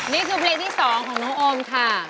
นี่คือเพลงที่๒ของน้องโอมค่ะ